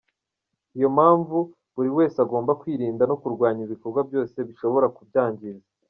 Ni yo mpamvu buri wese agomba kwirinda no kurwanya ibikorwa byose bishobora kubyangiza."